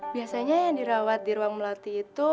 biasanya yang dirawat di ruang melati itu